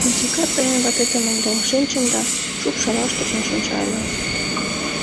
Онтика тыйын ватетым ӧндал шинчын да шупшалаш тӧчен шинча ыле...